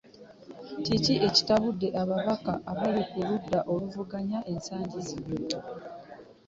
Kiki ekitabudde ababaka abali ku ludda oluvuganya ensangi zino?